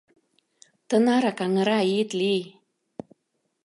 Тынарак аҥыра ит лий.